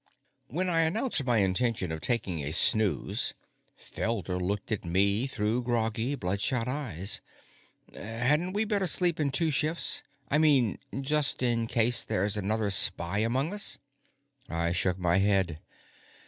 When I announced my intention of taking a snooze, Felder looked at me through groggy, bloodshot eyes. "Hadn't we better sleep in two shifts? I mean, just in case there's another spy among us?" I shook my head.